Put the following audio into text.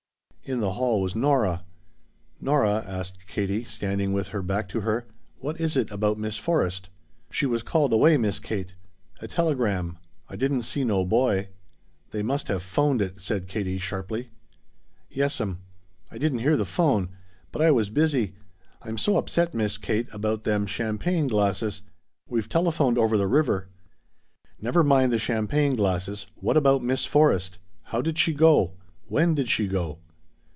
In the hall was Nora. "Nora," asked Katie, standing with her back to her, "what is it about Miss Forrest?" "She was called away, Miss Kate. A telegram. I didn't see no boy " "They must have 'phoned it," said Katie sharply. "Yes'm. I didn't hear the 'phone. But I was busy. I'm so upset, Miss Kate, about them champagne glasses. We've telephoned over the river " "Never mind the champagne glasses! What about Miss Forrest? How did she go? When did she go?"